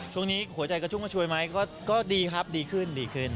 ช่วงนี้หัวใจกระชุ้งมาช่วยไหมก็ดีครับดีขึ้น